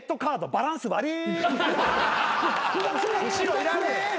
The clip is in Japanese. バランス悪っ。